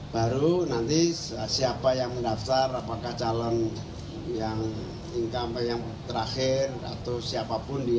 baru nanti siapa yang mendaftar apakah calon yang incumbent yang terakhir atau siapapun